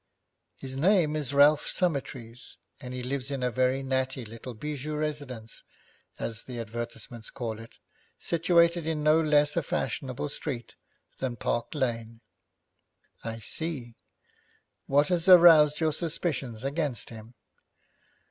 'His name is Ralph Summertrees, and he lives in a very natty little bijou residence, as the advertisements call it, situated in no less a fashionable street than Park Lane.' 'I see. What has aroused your suspicions against him?'